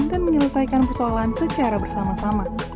dan menyelesaikan persoalan secara bersama sama